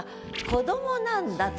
子どもなんだと。